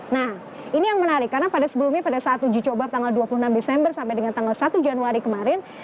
nah ini yang menarik karena pada sebelumnya pada saat uji coba tanggal dua puluh enam desember sampai dengan tanggal satu januari kemarin